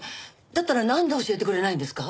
だったらなんで教えてくれないんですか？